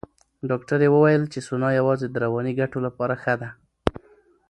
ډاکټره وویل چې سونا یوازې د رواني ګټو لپاره ښه ده.